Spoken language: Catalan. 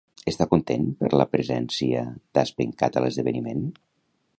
Està content per la presència d'Aspencat a l'esdeveniment?